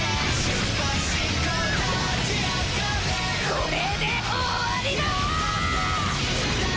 これで終わりだ！